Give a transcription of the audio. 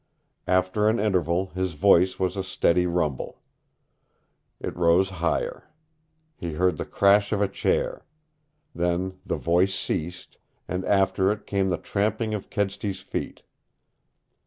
After an interval his voice was a steady rumble. It rose higher. He heard the crash of a chair. Then the voice ceased, and after it came the tramping of Kedsty's feet.